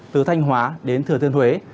từ thanh hóa đến thừa tiên huế